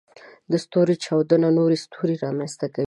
د ستوري چاودنه نوې ستوري رامنځته کوي.